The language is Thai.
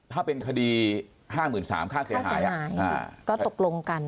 ถ้าเป็นคดีห้าหมื่นสามค่าเสียหายค่าเสียหายอ่าก็ตกลงกัน